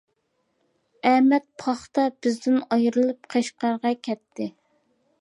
ئەمەت پاختا بىزدىن ئايرىلىپ قەشقەرگە كەتتى.